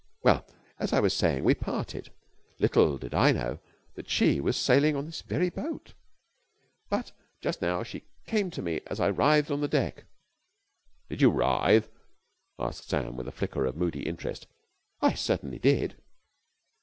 Well, as I was saying, we parted. Little did I know that she was sailing on this very boat! But just now she came to me as I writhed on deck...." "Did you writhe?" asked Sam with a flicker of moody interest. "I certainly did."